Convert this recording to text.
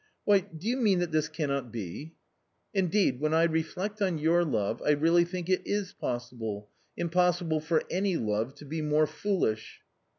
" Why, do you mean that this cannot be ?"" Indeed, when I reflect on your love, I really think it is possible ; impossible for any love to be more foolish